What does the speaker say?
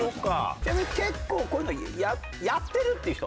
ちなみに結構こういうのやってるっていう人。